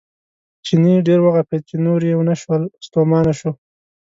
چیني ډېر وغپېد چې نور یې ونه شول ستومانه شو.